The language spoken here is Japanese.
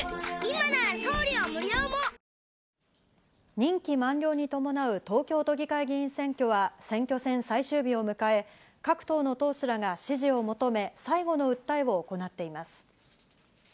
任期満了に伴う東京都議会議員選挙は、選挙戦最終日を迎え、各党の党首らが支持を求め、最後の訴えを行っています。